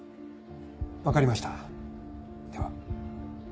分かりましたでは。